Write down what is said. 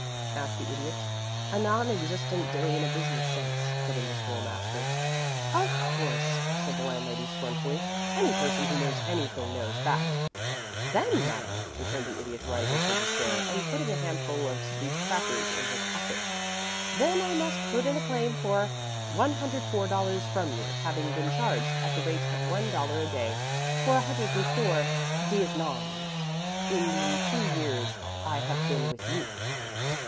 asked the Idiot. "A non existent day in a business sense," put in the School master. "Of course," said the landlady, scornfully. "Any person who knows anything knows that." "Then, madame," returned the Idiot, rising from his chair, and putting a handful of sweet crackers in his pocket "then I must put in a claim for $104 from you, having been charged, at the rate of one dollar a day for 104 dies nons in the two years I have been with you."